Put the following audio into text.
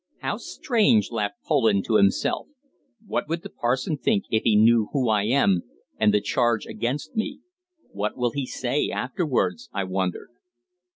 "How strange!" laughed Poland to himself. "What would the parson think if he knew who I am, and the charge against me? What will he say afterwards, I wonder?"